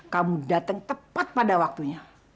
kamu datang tepat pada waktunya